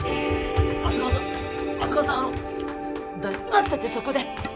待っててそこで。